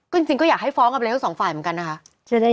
ก็จริงก็อยากให้ฟ้องกันไปทั้งสองฝ่ายเหมือนกันนะคะ